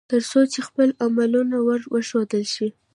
ترڅو يې خپل عملونه ور وښودل شي